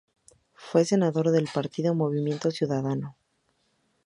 Fue Senador del partido Movimiento Ciudadano.